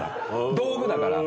道具だから。